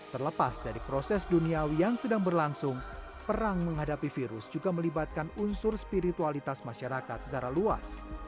terlepas dari proses duniawi yang sedang berlangsung perang menghadapi virus juga melibatkan unsur spiritualitas masyarakat secara luas